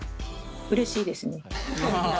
うれしいですね。